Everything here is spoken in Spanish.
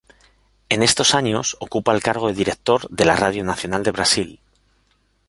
En estos años, ocupa el cargo de director de la Radio Nacional de Brasil.